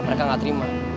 mereka gak terima